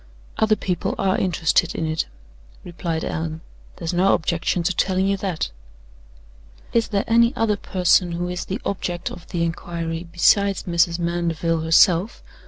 "Other people are interested in it," replied Allan. "There's no objection to telling you that." "Is there any other person who is the object of the inquiry besides Mrs. Mandeville, herself?"